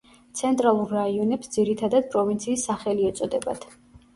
ცენტრალურ რაიონებს ძირითადად პროვინციის სახელი ეწოდებათ.